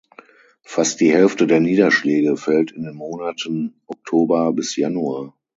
Fast die Hälfte der Niederschläge fällt in den Monaten Oktober bis Januar.